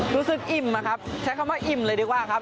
อิ่มนะครับใช้คำว่าอิ่มเลยดีกว่าครับ